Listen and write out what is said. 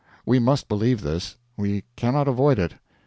We must believe this; we cannot avoid it.